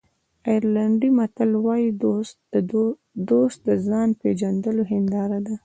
آیرلېنډي متل وایي دوست د ځان پېژندلو هنداره ده.